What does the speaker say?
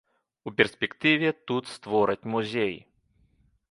У перспектыве тут створаць музей.